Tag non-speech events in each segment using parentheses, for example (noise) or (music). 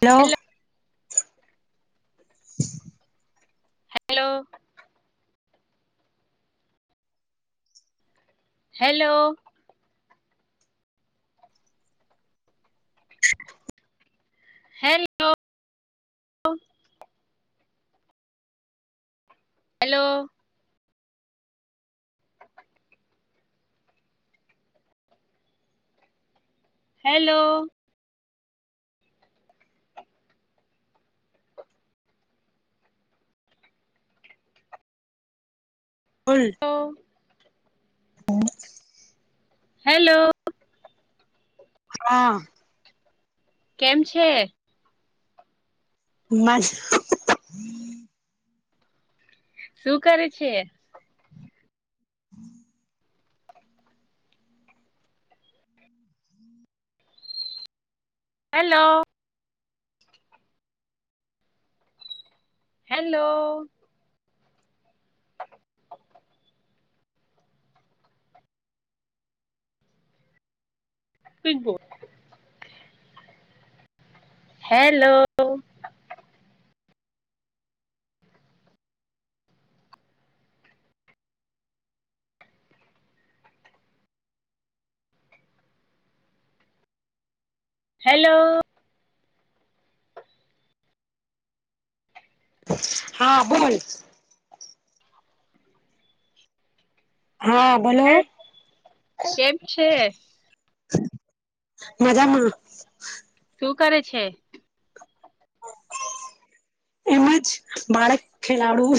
Hello. Hello hello. Hello. Hello. Hello. Hello? બોલ? Hello, hello! હા, કેમ છે? માસ્ત શું કરે છે? (inaudible) હેલો, હેલો, સ્કગ બોડ (inaudible) હેલો! હેલો, હા બોલ? હા બોલો? કેમ છે મજમાં. શું કરે છે.? એમજ બાળક ખેલાડુ.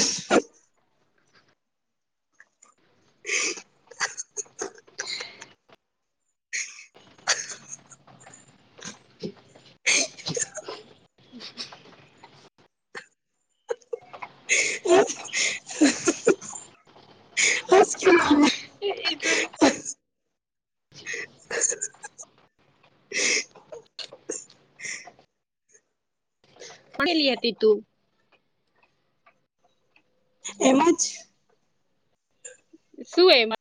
હ. (inaudible) હ. આજ કે. (inaudible) એજું. (inaudible) હ. લ (inaudible) આતી તું.? એમાં જ. શું એ મ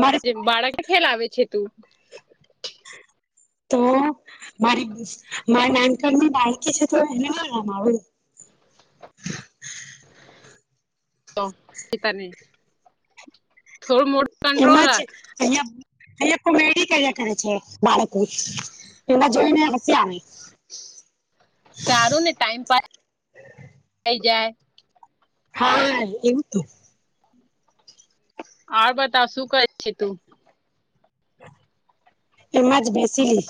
મારે જ બાળક ખ્યાલ આવે છે તું.? તો મારી મારા નાનકણની બાળકી છે તો એને ના ના રમાડું? (inaudible) તાને થોડું મોડ એમજ અહં અહિયાં કોમેડી કર્યા કરે છે બાળક ની એના જોયને હસી આવસ મે. સારું ને ટાઈમ પા થઈ જાય.. હા એવું તો. આવ બતાવ શું કહે છે તું.? એમાં જ બેસીલી.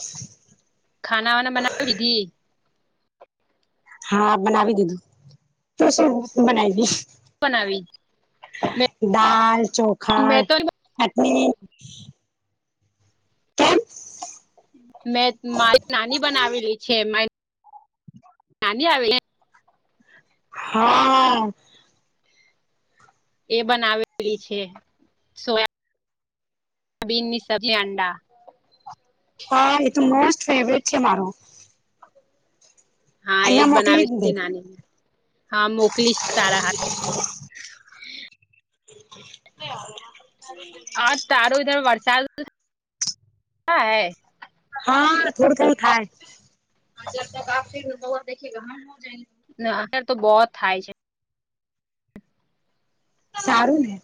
ખાનાવાના બનાવી લીધી.? હા બનાવી દીધું તો શું બનાવી બનાવી દ દાલ, ચોખા, મેં તો ચટણી. કેમ.? મેં મારી નાની બનાવેલી છે. મારી નાની આવેલી હા હા. એ બનાવેલી છે. સોયાબ સોબીનની સબજી અંડા. હા એ તો મોસ્ટ ફેવરેટ છે મારો. હા એજ અહિયાં મોકલી જ બનાવીશ દે નાનીને હા મોકલીશ તારા હાટુ. એ. (inaudible) હા તારો ધર વરસાદ હૈ. હા થોડ થડું થા (inaudible) હ જ ત હ જ. ના અતાર તો બો જ થાય છે. સારું ને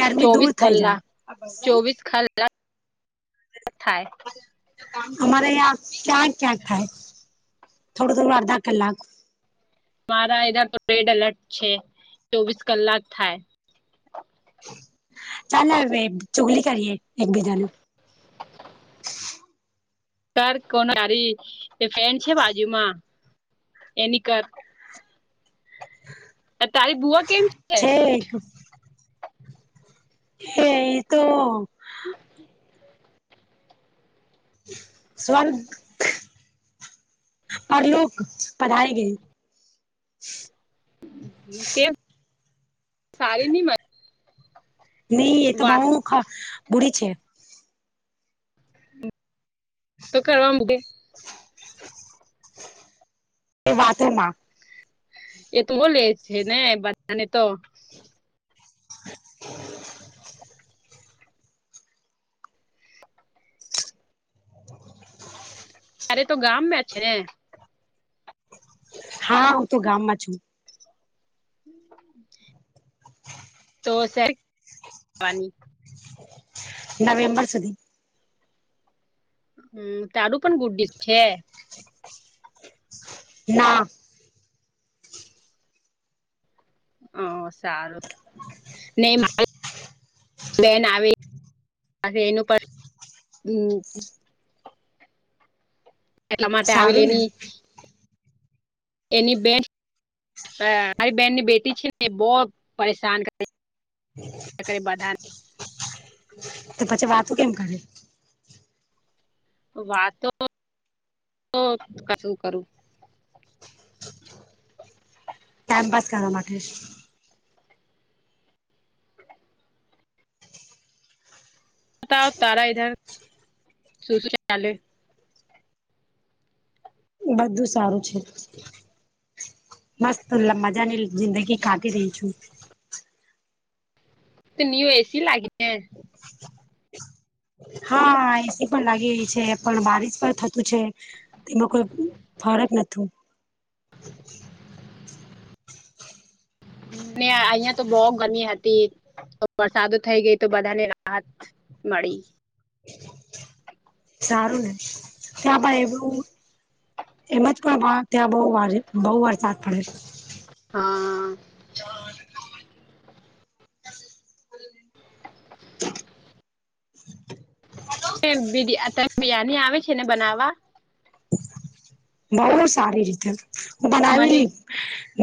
ગરમી દૂર ચોવીસ થઈ જાય. કલાક (inaudible) થાય. અમારેં ઈયા ક્યાંક ક્યાંક થાય થોડું થોડું અડધા કલાક. મારા એના તો રેડ એલર્ટ છે ચોવીસ કલાક થાય. ચાલ ને હવે ચુગલી કરીએ એકબીજા નુ. (inaudible) કર કોને તારી એ ફેન છે બાજુમાં એની કર. તારી બુઆ. કેમ છે એક. હે એ તો. હ. સ્વન. પરલોક પઢાય ગઈ. કેમ સારી ની મ. નહી એ તો બઉ ખ બુડી છે. તો કરવા મગે. એ બાથરૂમમાં. એ તો બોલે છે ને બધા ને તો. (unintelligible) (unintelligible) અરે તો ગામ મે છે. હા હું તો ગામમાં છું. તો સરની (inaudible) નવેમ્બર સુધી. હમ તારું પણ ગુડીશ છે. ના. હ સારું નહી મારુ. બેન આવી એનું પણ હ. એટલા માટે આવેલી સારું ને એની એની બેન. મારી બેહેન ની બેટી છે ને બહુ પરેશાન કર. તો પછી વાતવું કેમ કરે. વાતો ક શું કરું. (unintelligible) પાસ કરવા માટે. બતાવ તારા ધર શું શું ચાલે. બધું સારું છે. મસ્ત મજાની જિંદગી કાઢી રહી છું. ત નિઓ એસી લાગે. હા એસી પણ લાગી રહી છે પણ બારીશ પણ થતું છે. તેમાં કોઈ ફરક નથુ. ને અહિયાં તો બહુ ગમી હતી વરસાદો થઈ ગઈ તો બધાને રાહત. મળી. સારું ને ક્યાં ભાઈ એવું. એમજ પણ વા ત્યાં બહુ બહુ વરસાદ પડે છે. હા. હા (inaudible) (inaudible) આ ટાઇપ ની બિરયાની આવે છે ને બનાવવા. બહુ સારી રીતે હું મને બનાવેલી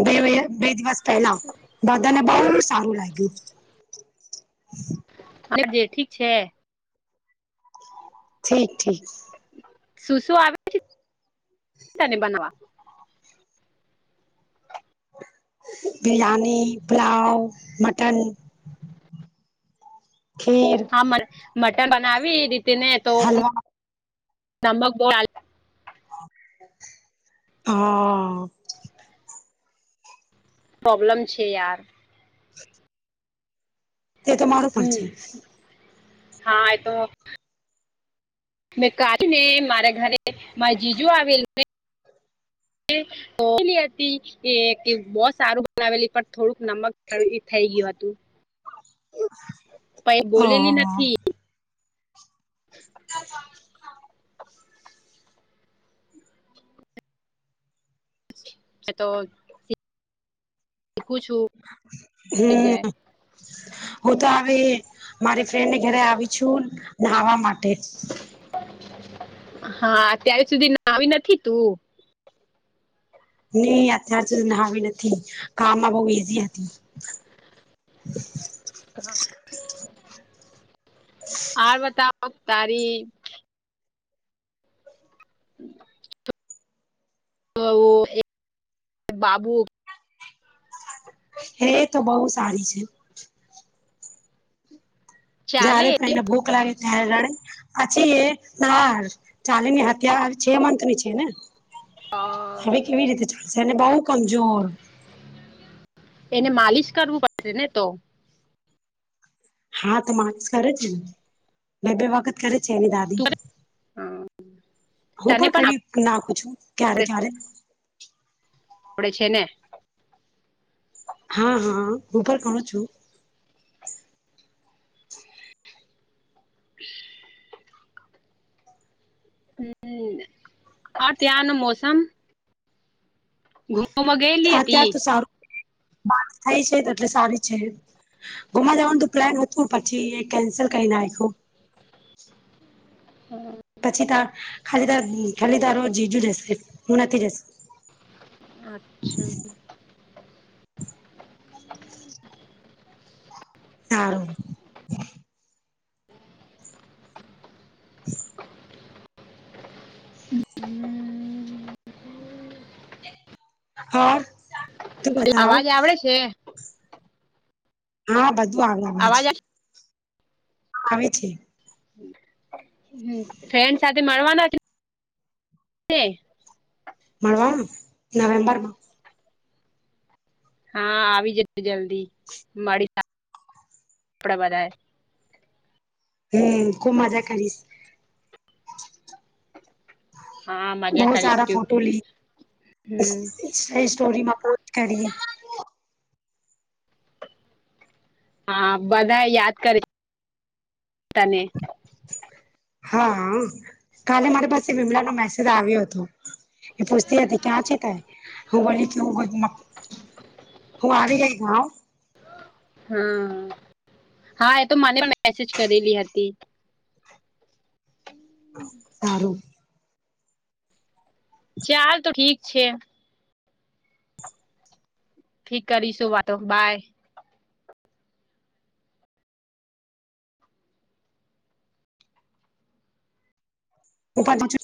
બે બે દિવસ પહેલા બધાને બહુ સારું લાગ્યું. અને બે થી છે. ઠીક ઠીક. શું શું આવે ત બનવા બિરિયાની પલાવ મટન ખીર હા મ મટર બનાવી રીતેને તો હલવા નમક બ હા પ્રોબ્લેમ છે યાર હ તે્યા તમારોું પર છે હમ હા એ તો મેં કા ને મારા ઘરે મારી જીજુ આવેલું લી આતી એ બહ સારું બનાવેલી પણ થોડુંક નમક થઈ ગયું હતું કઈ બોલેલી ઓહ નથી (unintelligible) એ તો શીખું છું હમ જાય હું તો આવે મારી ફ્રેન્ડ ને ઘરે આવી છું નાવા માટે. હા અત્યાર સુધી ના આવી નથી તું. નહી અત્યાર સુધી ના આવી નથી કામમાં બહ ઈઝી હતી. હ. હ બતાવ તારી. (inaudible) બાબુ હે તો બહુ સારી છે. જયારે ચાલે પણ એને ભોખ લાગે હ રાણી પછી એ ના ચાલીની હત્યા છે મથ ની છે ને. હવે કેવી રીતે ચાલશે અને બઉુ કમજોર. એને માલિશ કરવું પડશે ને તો. હા તો માલીશ કરે છે ને બે બે વખત કરે છે એની દાદી. હું પણ કરી નાખું છું ક્યારે ક્યારે. આપડે છે ને હા હા હું પણ કોરૂ છું. હ (inaudible) હમ આ ત્યાંનું મોસમ. હ (inaudible) ત્યાર તો સારું વાત થાય છે એટલે સારી છે. ગુમા જવાનું તો પ્લાન હતું પછી એ કેન્સલ કરી નાખ્યું. હમ. પછી તાર ખાલી તાર ખાલી તારો જીજું જશે હું નથી જશે. અચ્છા. સાારું. હ (inaudible) હમ. હ તું બતાવ અવાજ આવડે છે હા વાગ આવે છે. અવાજ આવે છે. ફ્રેન્ડ સાથે મળવાના તે- મળવાનું નવેમ્બર માં. હા આવી જશે જલ્દી મારી આપડા બધા. હમ ખુબ મજા કરીશ. હા મજા બહુત સારા કરીશું ફોટો લી હમ એ સ્ટોરીમાં પોટ કરીએ. હા બધા યાદ કરે તને હા કાલે મારી પાસે વિમલા નો મેસેજ આવ્યો હતો. એ પૂસતી હતી ક્યાં છે (unintelligible) હું બોલી કે (unintelligible) હું આવી ગઈ (unintelligible) હમ્મ હા એ તો મને મેસેજ કરેલી હતી. હારું ચાલ તો ઠીક છે. ઠીક કરીશું વાતો બાય. (unintelligible)